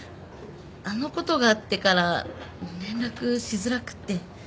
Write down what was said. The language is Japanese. あのことがあってから連絡しづらくって。